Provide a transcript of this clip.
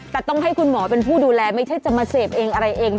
แต่ต้องให้คุณหมอเป็นผู้ดูแลไม่ใช่จะมาเสพเองอะไรเอง